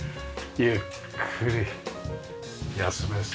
ゆっくり休めそう。